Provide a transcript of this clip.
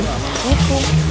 jadi kita balik